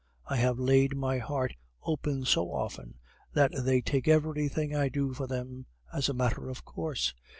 I have laid my heart open so often, that they take everything I do for them as a matter of course.